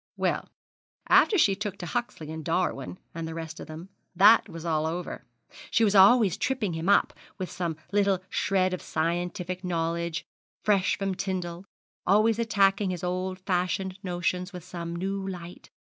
Well, after she took to Huxley and Darwin, and the rest of them, that was all over. She was always tripping him up with some little shred of scientific knowledge, fresh from Tyndall; always attacking his old fashioned notions with some new light.